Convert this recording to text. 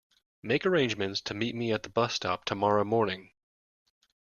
Make arrangements to meet me at the bus stop tomorrow morning.